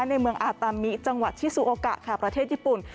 ในเมืองอาตามิจังหวัดชิซูโอกะค่ะประเทศญี่ปุ่น